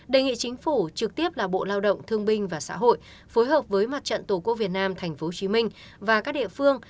đề nghị chính phủ trực tiếp là bộ lao động thương binh và xã hội phối hợp với mặt trận tổ quốc việt nam tp hcm và các địa phương